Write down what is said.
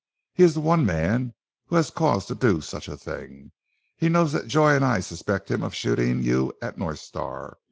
"He is the one man who has cause to do such a thing. He knows that Joy and I suspect him of shooting you at North Star.